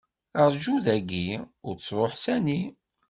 Rju dayi, ur ttruḥ sani.